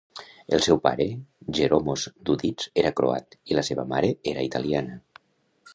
El seu pare, Jeromos Dudits, era croat, i la seva mare era italiana.